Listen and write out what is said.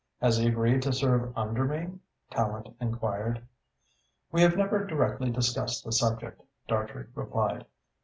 "Has he agreed to serve under me?" Tallente inquired. "We have never directly discussed the subject," Dartrey replied.